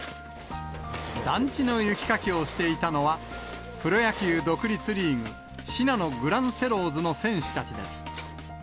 団地の雪かきをしていたのは、プロ野球独立リーグ・信濃グランセローズの選手たちです。